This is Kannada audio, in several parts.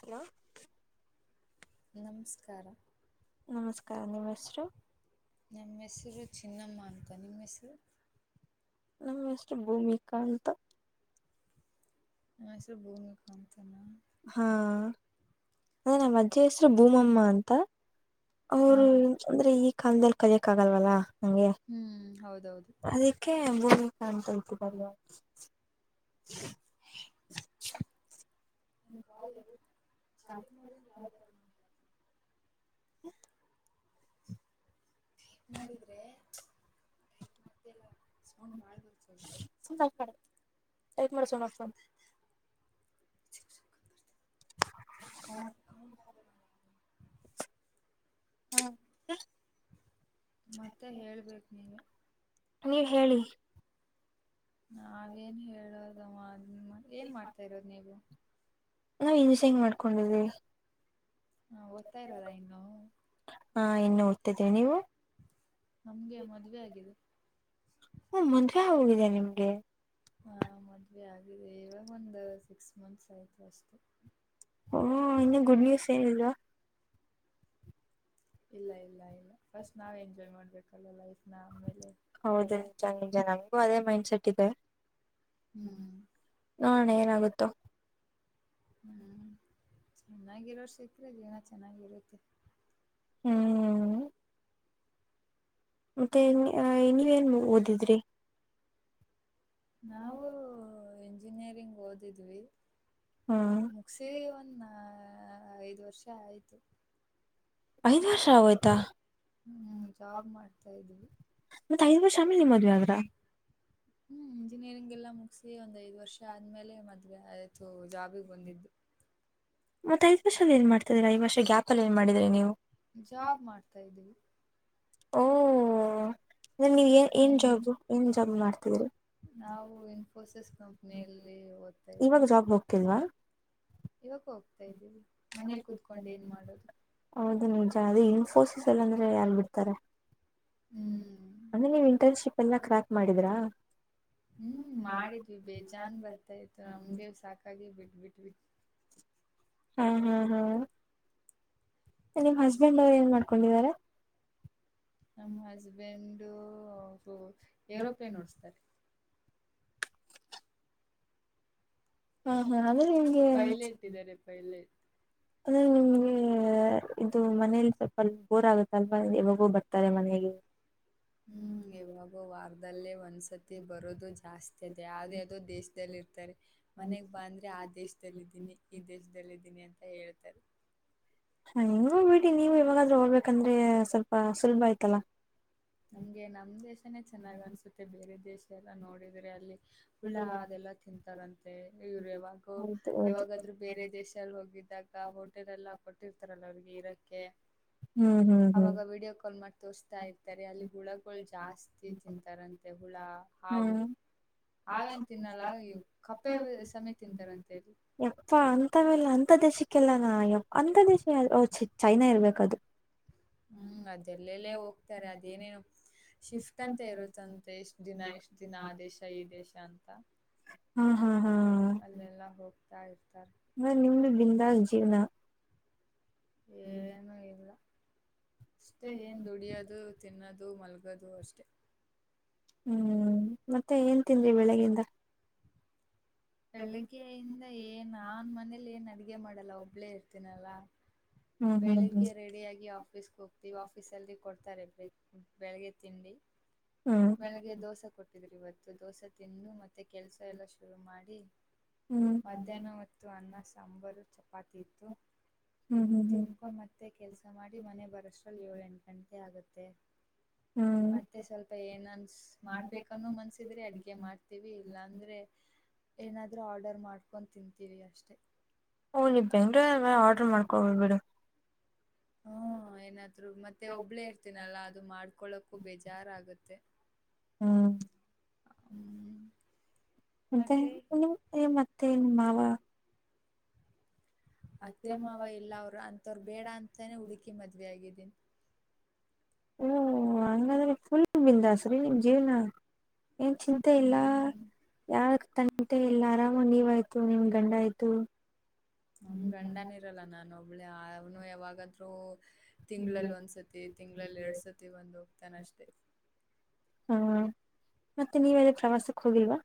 ಹಲೋ. ನಮಸ್ಕಾರ. ನಮಸ್ಕಾರ ನಿಮ್ಮ ಹೆಸರು. ನಮ್ಮ ಹೆಸ್ರು ಚಿನಿಮ್ಮ ಅಂತ ನಿಮ್ಮ್ ಹೆಸ್ರು. ನಮ್ ಹೆಸರು ಭೂಮಿಕಾ ಅಂತ. [inaudible] ಹಾ. ಅಂದ್ರೆ ನಮ್ಮ ಅಜ್ಜಿ ಹೆಸರು ಭೂಮಮ್ಮ ಅಂತ ಹಾ ಅವರು. ಅಂದ್ರೆ ಈ ಕಾಲದಲ್ಲಿ ಕಲಿಯಕ್ ಆಗಲ್ವಲ್ಲಾ ನಂಗೆ. ಹ್ಮ್ ಹೌದೌದು. ಅದಕ್ಕೆ ಭೂಮಿಕ ಅಂತತರಲ್ಲ. ನ ಕಾಲ್ ಎಾವ ಶಾಪಿಂಗ ಮಾಡ ಯಾವು ಬರ. ಟೈಪ್ ಮಾಡಿದ್ರೆ ಟೈಪ್ ಮಾಡ್ತ ಇಲ್ಲ ಸೌಂಡ್ ಬಾಳ್ ಬರುತದೆ. ಸು ಟೈ ಮಾಡ ಸು. ಕೌನ್. ಹ್ಮ. ಮತ್ತೆ ಹೇಳ್ಬೇಕು ನೀವು. ನೀವ್ ಹೇಳಿ. ನಾವೇನ್ ಹೇಳೋದ ಏನ್ ಮಾಡ್ತಾ ಇರೋದು ನೀವು. ನಾವವು ಇನ್ ವ್ಸ ಹೆಂಗ ಮಾಡ್ಕೊಂಡಿದ್ವಿ. ಹಾ ಓದ್ತಾ ಇರೋದಾ ಇನ್ನು. ಹಾ ಇನ್ನು ಓದ್ತಿದೀವಿ ನೀವು ನಮ್ಗೆ ಮದ್ ವವೆ ಆಗಿದೆ. ಹ್ಮ ಮಂ ಹೋಗಿದೆ ನಿಮ್ಗೆ. ಹ ಮದುವೆ ಆಗಿದೆ ಇವಾಗ ಒಂದು ಸಿಕ್ಸ್ ಮಂತ್ಸ್ ಆಯ್ತು ಅಷ್ಟು. ಹ ಇನ್ನು ಗುಡ್ ನ್ಯೂಸ್ ಹೇಳಏಲ್ವಾ. ಇಲ್ಲ ಇಲ್ಲ ಇಲ್ಲ ಫಸ್ಟ್ ನಾವ್ ಎಂಜಾಯ್ ಮಾಡ್ಬೇಕಲ್ಲ ಲೈಫ್ ನ ಆಮೇಲೆ ಹೌದು ಕೊಡೋ ನಿಜ ನಿಜ ನಮಗೂ ಅದೇ ಮೈಂಡ್ಸೆಟ್ ಇದೆ ಹ್ಮ ಹ್ಮ್ ನಣ ಏನಾಗುತ್ತೋ ಹ್ಮ್ ಚೆನ್ನಾಗಿರೋಸತ್ರ ಜೀವನ ಚೆನ್ನಾಗಿರುತ್ತೆ ಹ್ಮ್ ಮತ್ತೆ ನೀವೇನ್ ಓದಿದ್ರಿ ನಾವು ಇಂಜಿನಿಯರಿಂಗ್ ಓದಿದ್ವಿ ಹ್ಮ್ ಮುಕ್ಸಿ ಒಂದ ಐದ ವರ್ಷ ಆಯ್ತು ಐದ್ ವರ್ಷ ಆಗೋಯ್ತಾ ಹ್ಮ್ ಜಾಬ್ ಮಾಡ್ತಾ ಇದ್ವಿ ಮತ್ತತ್ ಐದ್ ವರ್ಷಮೇಲಿ ನಿ ಮದ ಆದ್ರ ಹ್ಮ್ ಇಂಜಿನಿಯರಿಂಗ್ ಎಲ್ಲಾ ಮುಗಿಸಿ ಒಂದ್ ಐದ್ ವರ್ಷ ಆದ್ಮೇಲೆ ಮದ್ ಆಯ್ತು ಜಾಬಿಗೆ ಬಂದಿದ್ದು ಮತ್ತೆ ದ ವರ್ಷದಲ್ಲಿ ಏನ್ ಮಾಡ್ತಿದ್ರ ಐದುರ್ಷ ಗ್ಯಾ ಅಲ್ಲಿ ಏ ಮಾಡ್ರಿ ನೀವು ಜಾಬ್ ಮಾಡ್ತಾ್ದೀವಿ ಓ ಅಂದ್ರ ನೀವ ಏನ್ ಏನ್ ಜಾಬ್ ಏನ್ ಜಾಬ್ ಮಾಡ್ತಿದೀರಿ ನಾವು ಇನ್ಫೋಸಿಸ್ ಕಂಪನಿಯಲ್ಲಿ ಓದ್ತಾ ಇದ್ವಿ ತ್ತಲ್ವಾ ಇವಾಗು ಹೋಗ್ತಾ ಇದ್ದೀವಿ ಮನೇಲಿ ಕುೂತ್ಕೊಂಡು ಏನ್ ಮಾಡೋದು ಹೌದು ನಿಮ್ಜ ಅದೇ ಇನ್ಫೋಸಿಸ್ ಅಲ್ಲ ಅಂದ್ರೆ ಎಲ್ಲಿ ಬಿಡ್ತಾರೆ ಹ್ಮ್ ಅದೇನೆ ಇಂಟಾನ್ಷಿಪ್ ಎಲ್ಲ ಕ್ರ್ಯಾಕ್ ಮಾಡಿದ್ರಾ ಹ್ಮ್ ಮಾಡಿದ್ವಿ ಬೇಜಾನ್ ಬರ್ತಾ ಇತ್ತು ನಮ್ಗೆ ಸಾಕಾಗಿ ಬಿಟ್ಬಟ್ವಿ ಹೂ ಹಾ ಹಾ ನಿಮ್ ಹಸ್ಬೆಂಡ್ ಏನ್ ಮಾಡ್ಕೊಂಡಿದಿದ್ದಾರೆ ನಮ್ಮ ಹಸ್ಬೆಂಡ್ ಸೋ ಏರೋಪ್ಲೇನ್ ಓಡಸ್ತಾರೆ ಹಾ ಹಾ ಅಂದ್ರೆ ನಿಮ್ಗೆ ಪೈಲಟ್ ಇದ್ದಾರೆ ಪೈಲಟ್ ಅಂದ್ರೆ ನಿಮ್ಗೆ ಇದು ಮನೆ ಯಲ್ಲಿ ಸ್ವಲ್ಪ ಬೋರ್ ಆಗುತ್ತೆ ಅಲ್ವಾ ಯಾವಾಗೋ ಬರ್ತಾರೆ ಮನೆಗೆ ಹೂಂ ಯವ್ವ ವಾರದಲ್ಲೇ ಒಂದ್ಸತಿ ಬರೋದು ಜಾಸ್ತಿ ಅದೆ ಯಾವುದ್ಯಾವುದೋ ದೇಶದಲ್ಲಿ ಇರ್ತಾರೆ ಮನೆಗ್ ಬಾಂದ್ರೆ ಆ ದೇಶದಲ್ಲಿ ಇದ್ದೀನಿ ಈ ದೇಶದಲ್ಲಿ ಇದ್ದೀನಿ ಅಂತ ಹೇಳ್ತಾರೆ ಹ ನೀವೂ ಬಿಡಿ ನೀವು ಯಾವಾಗಾದ್ರೂ ಓಡ್ಬೇಕಂದ್ರೆ ಸ್ವಲ್ಪ ಸುಲಭ ಆಯ್ತಲ್ಲಾ ನಮ್ಗೆ ನಮ್ ದೇಶನೇ ಚೆನ್ನಾಗ್ ಅನ್ಸುತ್ತೆ ಬೇರೆ ದೇಶ ಎಲ್ಲ ನೋಡಿದ್ರೆ ಅಲ್ಲಿ ಪುಳ್ಳ ಅದೆಲ್ಲ ತಿಂತಾರಂತೆ ಇವ್ರು ಯಾವಾಗೋ ಹೌದು ಹೌದು ಯಾವಾಗಾದ್ರೂ ಬೇರೆ ದೇಶದಲ್ಲಿ ಹೋಗಿದ್ದಾಗ ಅ ಹೋಟೆಲ್ ಎಲ್ಲ ಕೊಟ್ಟಿರ್ತಾರಲ್ಲ ಅವರಿಗೆ ಇರೋಕ್ಕೆ ಹ್ಮ್ ಹ್ಮ್ ಹ್ಮ್ ಅವಾಗ ವೀಡಿಯೋ ಕಾಲ್ ಮಾಡಿ ತೋರ್ಸಿ ತಾ ಇರ್ತಾರೆ ಅಲ್ಲಿ ಹುಳಗಳು ಜಾಸ್ತಿ ತಿಂತಾರಂತೆ ಹುಳ ಹಾವು ಹ್ಮ್ ಹಾವೇನು ತಿನ್ನಲ್ಲ ಕಪ್ಪೆ ಸಮೇತ ತಿಂತಾರಂತೆ ಅಲ್ಲಿ ಯಾಪ್ಪ ಅಂತವೆಲ್ಲ ಅಂತ ದೇಶಕ್ಕೆಲ್ಲ ನಾ ಅಂತ ದೇಶ ಚೈನಾ ಇರ್ಬೇಕದು ಹೂಂ ಅದೆಲ್ಲೆಲ್ಲೇ ಹೋಗ್ತಾರೆ ಅದೇನೇನು ಶಿಫ್ಟ್ ಅಂತ ಇರುತ್ತಂತೆ ದಿನ ಎಷ್ಟು ದಿನ ಆ ದೇಶ ಈ ದೇಶ ಅಂತ ಹಾ ಹಾ ಹಾ ಹಾ ಅಲ್ಲೆಲ್ಲ ಹೋಗ್ತಾ ಇರ್ತಾರೆ ನಾ ನಿಮ್ದು ಬಿಂದಾಸ್ ಜೀವನ [inaudible] ಏನೂ ಇಲ್ಲ ಅಷ್ಟೇ ಏನ್ ದುಡಿಯೋದು ತಿನ್ನೋದು ಮಲ್ಗೋದು ಅಷ್ಟೇ ಹ್ಮ್ ಮತ್ತೆ ಏನ್ ತಿಂದೆ ಬೆಳಗಿಂದ ಬೆಳಗ್ಗೆಯಿಂದ ಏನ್ ನಾನ್ ಮನೇಲಿ ಏನ್ ಅಡ್ಗೆ ಮಾಡಲ್ಲ ಒಬ್ಳೇ ಇರ್ತಿನಲ್ಲ ಹ್ಮ್ ಹ್ಮ್ ಬೆಳಗ್ಗೆ ರೆಡಿಯಾಗಿ ಆಫೀಸ್ಗೆ ಆಫೀಸ್ ಅಲ್ಲಿ ಕೊಡ್ತಾರೆ ತಿಂಡಿ ಬೆಳಿಗ್ಗೆ ತಿಂಡಿ ಹ್ಮ್ ಬೆಳಿಗ್ಗೆ ದೋಸೆ ಕೊಟ್ಟ ಇವತ್ತು ದೋಸೆ ತಿಂದು ಮತ್ತೆ ಕೆಲಸ ಎಲ್ಲ ಶುರು ಮಾಡಿ ಹ್ಮ್ ಮಧ್ಯಾಹ್ನ ಒತ್ತು ಅನ್ನ ಸಾಂಬಾರು ಚಪಾತಿ ಇತ್ತು ಹ್ಮ್ ಹ್ಮ್ ಹ್ಮ್ ಹ್ಮ್ ತಿಂಕೊ [unintelligible] ಮತ್ತೆ ಕೆಲ್ಸ ಮಾಡಿ ಮನೆ ಬರಷ್ಟ್ರಲ್ಲಿ ಏಳು ಎಂಟು ಗಂಟೆ ಆಗತ್ತೆ ಹ್ಮ್ ಮತ್ತೆ ಸ್ವಲ್ಪ ಏನನ್ ಮಾಡ್ಬೇಕನ್ನೋ ಮನ್ಸ ಇದ್ರೇ ಅಡಗೆ ಮಾಡ್ತೀವಿ ಇಲ್ಲಾ ಅಂದ್ರೆ ಏನಾದರೂ ಆರ್ಡರ್ ಮಾಡ್ಕೊಂಡು ತಿಂತೀವಿ ಅಷ್ಟೇ ಓ ನೀ ಬೆಂಗಳೂರ್ ಅಲ್ವ ಆರ್ಡರ್ ಮಾಡ್ಕೊಬೋದು ಬಿಡು ಹ್ಮ ಏನಾದ್ರು ಮತ್ತೆ ಒಬ್ಳೇ ಇರ್ತಿನಲ್ಲಾ ಅದು ಮಾಡ್ಕೊಳಕ್ಕೂ ಬೇಜಾರ್ ಆಗತ್ತೆ ಹ್ಮ್ ಹ್ಮ್ ಮತ್ತೆ [unintelligible] ಅತ್ತೆ ಮಾವ ಅತ್ತೆ ಮಾವ ಇಲ್ಲ ಅವರು ಅಂಥವ್ರ ಬೇಡ ಅಂತಾನೇ ಹುಡುಕಿ ಮದ್ವಿ ಆಗಿದ್ದೀನಿ ಹೂಂ ಹಂಗಾದ್ರೆ ಫುಲ್ ಫುಲ್ ಬಿಂದಾಸ್ ರಿ ನಿಮ್ ಜೀವ್ನ ಏನ್ ಚಿಂತೆ ಇಲ್ಲ ಹ್ಮ್ ಯಾರ್ ತಂಟೆ ಇಲ್ಲ ಆರಾಮಾಗಿ ನೀವಾಯ್ತು ನಿಮ ಗಂಡ ಆಯ್ತು ನಮ್ ಗಂಡನು ಇರಲ್ಲ ನನ್ ಒಬ್ಳೆ ಅವನು ಯಾವಾಗಾದರು ತಿಂಗಳಲ್ಲಿ ಒಂದ್ಸತಿ ತಿಂಗಳಲ್ಲಿ ಎರಡ ಸತಿ ಬಂದ ಹೋಗ್ತಾನ ಅಷ್ಟೇ ಹಾ ಮತ್ತೆ ನೀವೆಲ್ಲಿ ಪ್ರವಾಸಕ್ ಹೋಗಿಲ್ವಾ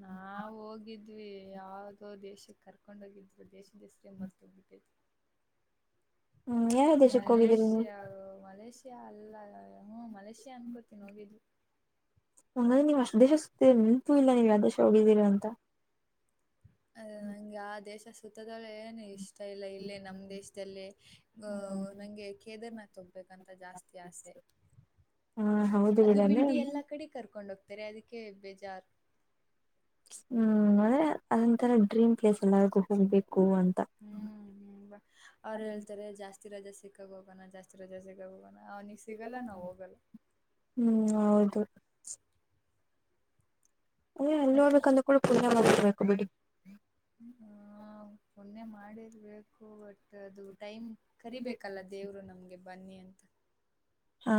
ನಾವ್ ಹೋಗಿದ್ವಿ ಯಾವದೋ ದೇಶಕ್ಕ ಕರ್ಕೊಂಡ ಹೋಗಿದ್ರು ದೇಶದ ಹೆಸರೆ ಮರ್ತೋಗ್ಬಿಟ್ಟೈತಿ ಹ್ಮ್ ಯಾವ್ ಯಾವ್ ದೇಶಕ್ಕೆ ಹೋಗಿದ್ದೀರಿ ನೀವು ಏ ಅಲ್ಲ ಅಲ್ಲ ಮಲೇಷಿಯಾ ಅನ್ಕೋತೀನಿ ಹೋಗಿದ್ದು ಹಂಗಂದ್ರೆ ನೀವು ಅಷ್ಟ್ ದೇಶ ಸುತ್ತೀರಿ ನೆಂಪು ಇಲ್ಲ ನೀವ್ ಯಾವ ದೇಶ ಹೋಗಿದ್ದೀರಾ ಅಂತ ಅದೆ ನಂಗ ಆ ದೇಶ ಸುತ್ತದಳ ಏನು ಇಷ್ಟ ಷ್ಟ ಇಲ್ಲ ಇಲ್ಲೇ ನಮ್ಮ್ ದೇಶದಲ್ಲಿ ನಂಗೆ ಕೇದಾರ್ನಾಥ್. ತೊಗಬೇಕಂತ ಜಾಸ್ತಿ ಆಸೆ. ಹಾ ಹೌದು. ಅದು ಬಿಡನೆ ಬಿಟೆ ಎಲ್ಲಾ ಕಡೆ ಕರ್ಕೊಂಡ ಹೋಗ್ತಾರ ಅದಕ್ಕೆ ಬೇಜಾರು ಹ್ಮ್ ಅಂದ್ರೆ ಅದೊಂತರ ಡ್ರೀಮ್ ಪ್ಲೇಸ್ ಎಲಾರ್ಗು ಹೋಗ್ಬೇಕು ಅಂತ ಹ್ಮ್ ಹ್ಮ್ ಅವ್ರು ಹೇಳ್ತಾರೆ ಜಾಸ್ತಿ ರಜೆ ಸಿಕ್ಕಾಗ ಹೋಗೋಣ ಜಾಸ್ತಿ ರಜಾ ಸಿಕಾಗ ಹೋಗೋಣ ಅವ್ನಿಗಿ ಸಿಗಲ್ಲ ನಾವು ಹೋಗಲ್ಲ ಹ್ಮ್ ಹೌದು ಹಾ ನೀವೂ ಅಲ್ಲೋ ಮತ್ ಹೋಗಬೇಕು ಅಂದ್ರೂ ಪುಣ್ಯ ಮಾಡಿರಬೇಕು ಬಿಡಿ ಹ ಪೊನ್ಯ ಮಾಡಿರ್ಬೇಕು ಒ ಅದು ಟೈಮ್ ಕರಿಬೇಕಲ್ಲ ದೇವ್ರು ನಮ್ಗೆ ಬನ್ನಿ ಅಂತ ಹಾ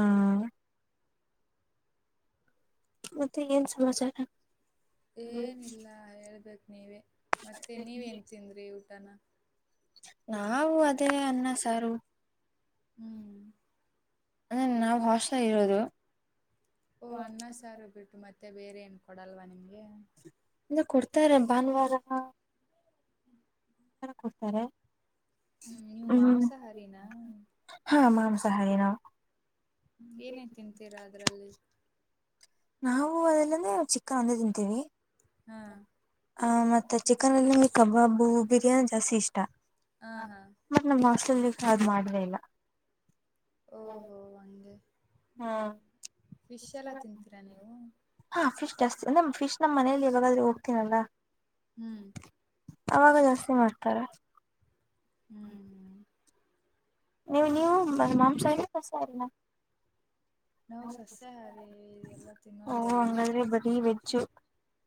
ಮತ್ತೆ ಏನ್ ಸಮಾಚಾರ ಏನಿಲ್ಲ ಹೇಳ್ಬೇಕ ನೀವೇ ಮತ್ತೆ ನೀವ್ ಎನ್ ತಿಂದ್ರಿ ಊಟನ ನಾವು ಅದೇ ಅನ್ನ ಸಾರು ಹ್ಮ್ [unintelligible] ನಾವ್ ಹೊಾಸ್ಟಲ್ ಇರೋದು ಓಹ್ ಅನ್ನ ಸಾರು ಬಿಟ್ಟು ಮತ್ತೆ ಬೇರೆ ಏನು ಕೊಡಲ್ವ ನಿಮಗೆ ಇನ್ನು ಕೊಡ್ತಾರೆ ಭಾನುವಾರ ಕೊಡ್ತಾರೆ ಹ್ಮ್ ನೀವು ಭಾನುವಾರ ಹ್ಮ್ ಮಾಂಸಾಹಾರಿನಾ ಹಾಂ ಮಾಂಸಹಾರಿನ ಏನೇನ್ ತಿಂತೀರಾ ಅದ್ರಲ್ಲಿ ನಾವು ಅದಲ್ಲಂದ ಚಿಕ್ಕ ಹಂದಿ ತಿಂತೀವಿ ಹಾ ಹ ಮತ್ತೆ ಚಿಕನ್ ಅಲ್ಲಿ ನಿಮಗೆ ಕಬಾಬು ಬಿರಿಯಾನಿ ಜಾಸ್ತಿ ಇಷ್ಟ ಹಾ ಹಾ ಮತ್ತ ನಮ್ ಹಾಸ್ಟೆಲ್ ಅಲ್ಲಿ ಚಾರ್ಜ್ ಮಾಡ್ಲೆ ಇಲ್ಲ ಓಹೋ ಹಂಗೆ ಹ್ಮ್ ಫಿಶ್ ಎಲ್ಲ ತಿಂತೀರಾ ನೀವು ಹಾ ಫಿಶ್ ಜಾಸ್ತಿ ನಮ್ ಫಿಶ್ನ ಮನೆಯಲ್ಲಿ ಯವಾಗಾದ್ರೂ ಓಕೆ ಅಲ್ಲ ಹ್ಮ್ ಅವಾಗ ಜಾಸ್ತಿ ಮಾಡ್ತಾರ ಹ್ಮ್ ಹ್ಮ್ ನೀವು ನೀವು ಬರಿ ಮಾಂಸಹಾರಿನ ಸಸ್ಯಹಾರಿನ ನಾವು ಸಸ್ಯಾಹಾರಿ ಇದೆಲ್ಲ ಓ ತಿನ್ನೋದೇ ಇಲ್ಲ ಹಂಗಾದ್ರೆ ಬರೀ ವೆಜ್ಜು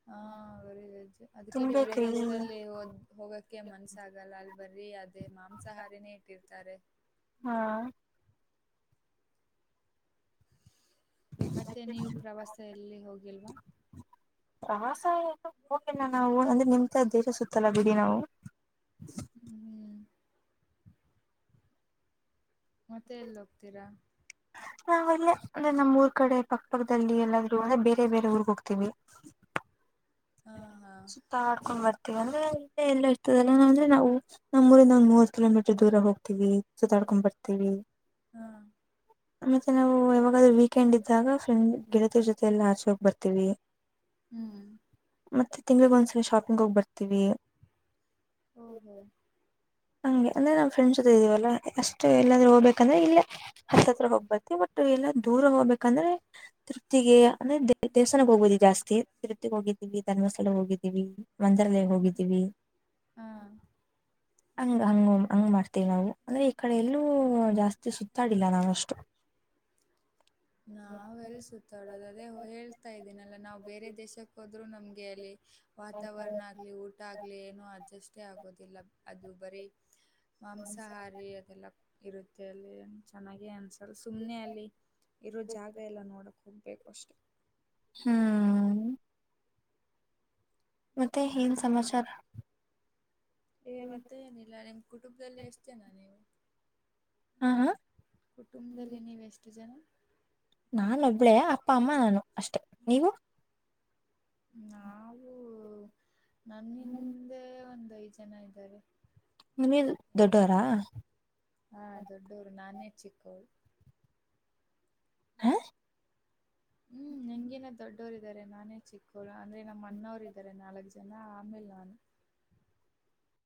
ಹಾ ವೆರಿ ವೆಜ್ ಅದಕ್ಕೆ ಬೇರೆ ತಿನ್ಬೇಕ್ರಿ ದೇಶದಲ್ಲಿ ಹೋಗಕ್ ಅದಕೆ ಮನ್ಸಸ್ ಆಗಲ್ಲ ಅಲ್ ಬರ್ರಿ ಅದೇ ಮಾಂಸಾಹಾರಿನೇ ಇಟ್ಟಿರ್ತಾರೆ ಹಾ ಮತ್ತೆ ನೀವು ಪ್ರವಾಸ ಎಲ್ಲಿ ಹೋಗಿಲ್ವಾ ರಾಸಾಯ ಹೋಗಿಲ್ಲ ನಾವು ಅಂದ್ರೆ ನಿಮ್ದ ದೇಶ ಸುತ್ತಲ್ಲ ಬಿಡಿ ನಾವು ಹ್ಮ ಹ್ಮ್ [inaudible] ಮತ್ತೆ ಎಲ್ಲಿ ಹೋಗ್ತೀರಾ ನಾವಲ್ಲೇ ಅಂದ್ರೆ ನಮ್ಮ್ ಊರ್ ಕಡೆ ಪಕ್ಕ ಪಕ್ಕದಲ್ಲಿ ಎಲ್ಲಾದರೂ ಅಂದ್ರೆ ಬೇರೆ ಬೇರೆ ಊರಗೆ ಹೋಗ್ತೀವಿ ಹಾ ಹಾ ಸುತ್ತಾಡಕೊಂಡ ಬರ್ತೀವಿ ಅಂದ್ರೆ ಇಲ್ಲೇ ಎಲ್ಲ ಇರ್ತದಲ್ಲ ಅಂದ್ರೆ ನಾವು ನಮ್ಮ ಊರಿಂದ ಒಂದ್ ಮೂವತ್ ಕಿಲೋಮೀಟರ್ ದೂರ ಹೋಗ್ತೀವಿ ಸುತ್ತಾಡ್ಕೊಂಡ್ ಬರ್ತೀವಿ ಹಾ ಮತ್ತೆ ನಾವು ಯಾವಾಗದ್ರೂ ವೀಕೆಂಡ್ ಇದ್ದಾಗ ಫ್ರೆಂಡ್ ಗೆಳತಿಯರ ಜೊತೆ ಎಲ್ಲ ಆಚೆ ಹೋಗ್ ಬರ್ತೀವಿ ಹ್ಮ್ ಮತ್ತೆ ತಿಂಗಳಿಗ ಒಂದ್ಸಲ ಶಾಪಿಂಗ್ ಹೋಗಿ ಬರ್ತೀವಿ ಓ ಹೋ ಹಂಗೆ ಅಂದ್ರೆ ನಾವ್ ಫ್ರೆಂಡ್ಸ್ ಜೊತೆ ಇದ್ದೀವಲ್ಲ ಅಷ್ಟ ಎಲ್ಲಾದ್ರೂ ಹೋಗಬೇಕೆಂದರೆ ಇಲ್ಲಿ ಹತ್ತತ್ರ ಹೋಗ್ಬತ್ತವಿ ಬಟ್ ಎಲ್ಲಾ ದೂರ ಹೋಗ್ಬೇಕಂದ್ರೆ ತೃಪ್ತಿಗೆ ಅಂದ್ರೆ ದ ದೇವಸ್ಥಾನಕ್ಕೆ ಹೋಗೋದೇ ಜಾಸ್ತಿ ತಿರುಪತಿ ಹೋಗಿದ್ದೀವಿ ಧರ್ಮಸ್ಥಳ ಹೋಗಿದ್ದೀವಿ ಮಂತ್ರಾಲಯ ಹೋಗಿದ್ದೀವಿ ಹಾ ಹಂಗ ಹಂಗ ಹಂಗ ಮಾಡ್ತೀವಿ ನಾವು ಅಂದ್ರೆ ಈ ಕಡೆ ಎಲ್ಲೂ ಜಾಸ್ತಿ ಸುತ್ತಾಡಿಲ್ಲ ನಾವಷ್ಟು ನಾವೆಲ್ಲ ಸುತ್ತಾಡೋದು ಅದೇ ಹೇಳ್ತಾ ಇದ್ದೀನಲ್ಲ ನಾವ್ ಬೇರೆ ದೇಶಕ್ಕೆ ಹೋದ್ರು ನಮ್ಗೆ ಅಲ್ಲಿ ವಾತಾವರಣ ಆಗ್ಲಿ ಊಟ ಆಗ್ಲಿ ಏನೋ ಅಡ್ಜಸ್ಟೇ ಆಗೋದಿಲ್ಲ ಅದು ಬರೀ ಮಾಂಸಾಹಾರಿ ಅದೆಲ್ಲ ಇರುತ್ತೆ ಅಲ್ಲಿ ಚೆನ್ನಾಗೆ ಅನಿಸಲ್ ಸುಮ್ಮನೆ ಅಲ್ಲಿ ಇರೋ ಜಾಗ ಎಲ್ಲ ನೋಡಕ್ಕೆ ಹೋಗ್ಬೇಕು ಅಷ್ಟೇ ಹ್ಮ್ ಮತ್ತೆ ಏನ್ ಸಮಾಚಾರ ಏ ಮತ್ತೆ ಏನಿಲ್ಲ ನಿಮ್ಮ ಕುಟುಂಬದಲ್ಲಿ ಎಷ್ಟ ಜನ ನೀವು ಹಾ ಹಾ ಕುಟುಂಬದಲ್ಲಿ ನೀವ ಎಷ್ಟು ಜನ ನಾನ ಒಬ್ಳೇ ಅಪ್ಪ ಅಮ್ಮ ನಾನು ಅಷ್ಟೆ ನೀವು ನಾವು ನನ್ನ ಹಿಂದೆ ಒಂದ ಐದ್ ಜನ ಇದ್ದಾರೆ ನಿಲ್ ದೊಡ್ಡವರಾ ಹಾ ದೊಡ್ಡವ್ರು ನಾನೇ ಚಿಕ್ಕವ್ರು ಹಾ ಹ್ಮ್ -ಹೆಂಗೇನ ದೊಡ್ಡ ಇಟ್ಟೋರು ಇದಾರೆ ನಾನೇ ಚಿಕ್ಕೋರು ಅಂದ್ರೆ ನಮ್ಮ ಅಣ್ಣೂರು ಇದ್ದಾರೆ ನಾಲ್ಕ್ ಜನ ಆಮೇಲ್ ನಾನು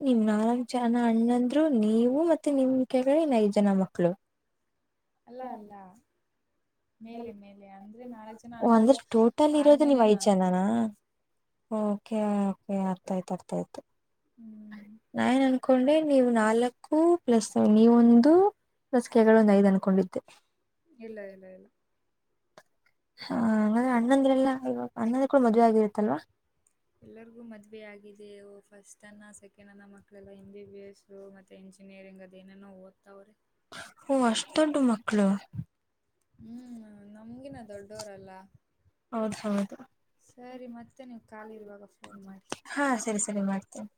ನಿಮ್ಮ ನಾಲ್ಕು ಜನ ಅಣ್ಣಂದ್ರು ನೀವು ಮತ್ತೆ ನಿಮ್ ಕೆಳಗಡೆ ಇನ್ ಐದ್ ಜನ ಮಕ್ಳು ಅಲ್ಲ ಅಲ್ಲ ಮೇಲೆ ಮೇಲೆ ಅಂದ್ರೆ ನಾಲ್ಕು ಜನ ಅನ್ನಗಳು ಅಂದ್ರೆ ಟೋಟಲ್ ಇರೋದು ಆದ್ಮೇಲೆ ನೀವ್ ಐದು್ ನಾನು ಜನಾನ ಓಕೆ ಓಕೆ ಅರ್ಥ ಆಯ್ತು ಅರ್ಥ ಆಯ್ತು ಹ್ಮ್ ನಾನ್ ಅನ್ಕೊಂಡೆ ನೀವು್ ನಾಲ್ಕು ಪ್ಲಸ್ ನೀವೊಂದು ಲಸಿಕೆಗಳು ಐದು ಅಂದನ್ಕೊಂಡಿದ್ದೆ ಇಲ್ಲ ಇಲ್ಲ ಇಲ್ಲ ಹಾ ಹಾಗ್ರೆ ಅಣ್ಣಂದ್ರೆಲ್ಲಾ ಇವಾಗ ಅ್ಣಂದ ಕೂಡ ಮದುವೆ ಆಗಿರುತ್ತಲ್ವಾ ಎಲ್ಲರಿಗೂ ಮದುವೆ ಆಗಿದೆಯ ಫಸ್ಟ್ ಅನ್ನ ಸೆಕೆಂಡ್ ಅನ್ನ ಮಕ್ಕಳೆಲ್ಲ ಹಿಂದಿ ಬಸ್ ಮತ್ತೆ ಇಂಜಿನಿಯರಿಂಗ್ ಅದ ನೋ ಓದ್ತಾವ್ರೆ ಓ ಅಷ್ಷು ದೊಡ್ಡ ಮಕ್ಕಳು ಹ್ಮ್ ನಮ್ಗಿನ ದೊಡ್ಡವರಲ್ಲ ಹೌದ ಹೌದು ಸರಿ ಮತ್ತೆ ನೀವು ಕಾಲ ಇರುವಾಗ ಫೋನ್ ಮಾಡಿ ಹಾ ಸರಿ ಸರಿ ಮಾಡ್ತೇನೆ